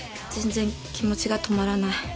全然気持ちが止まらない。